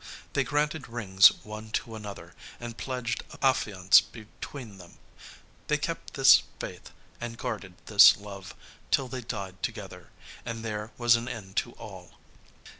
They granted rings one to another, and pledged affiance between them. They kept this faith, and guarded this love, till they died together, and there was an end to all.